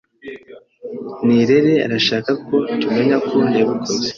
Nirere arashaka ko tumenya ko yabikoze.